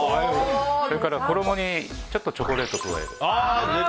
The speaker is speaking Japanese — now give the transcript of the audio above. それから、衣にちょっとチョコレートを加える。